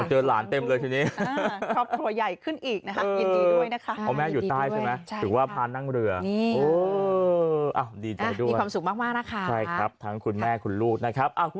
เจอหลานเต็มเลยทีนี้